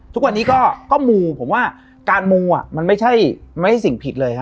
ทุกวันนี้ก็มูผมว่าการมูอ่ะมันไม่ใช่สิ่งผิดเลยฮะ